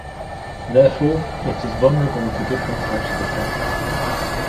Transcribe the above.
Therefore, it is vulnerable to different types of attacks.